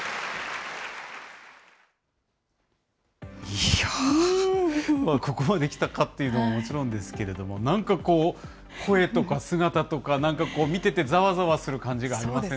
いやー、ここまで来たかっていうのももちろんですけれども、なんかこう、声とか姿とか、なんか見てて、ざわざわする感じがありませんでし